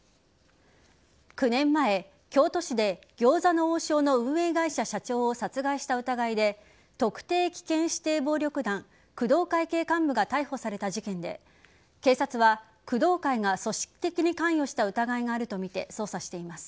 ９年前、京都市で餃子の王将の運営会社社長を殺害した疑いで特定危険指定暴力団工藤会系幹部が逮捕された事件で警察は工藤会が組織的に関与した疑いがあるとみて捜査しています。